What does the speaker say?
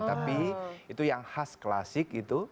tapi itu yang khas klasik itu